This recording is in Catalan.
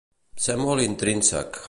Ser molt intrínsec.